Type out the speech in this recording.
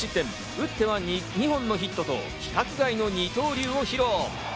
打っては２本のヒットと、規格外の二刀流を披露。